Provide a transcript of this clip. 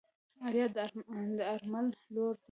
آريا د آرمل لور ده.